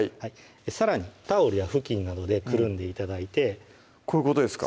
さらにタオルや布巾などで包んで頂いてこういうことですか？